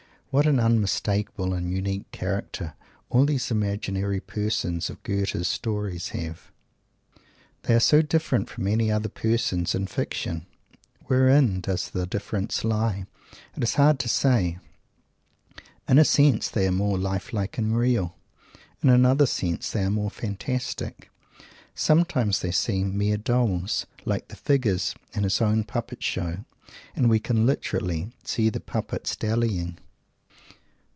What an unmistakable and unique character all these imaginary persons of Goethe's stories have! They are so different from any other persons in fiction! Wherein does the difference lie? It is hard to say. In a sense, they are more life like and real. In another sense, they are more fantastic. Sometimes they seem mere dolls like the figures in his own puppet show and we can literally "see the puppets dallying."